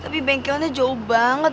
tapi bengkelnya jauh banget